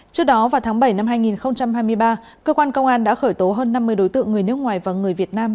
trước đó vào tháng bảy năm hai nghìn hai mươi ba cơ quan công an đã khởi tố hơn năm mươi đối tượng người nước ngoài và người việt nam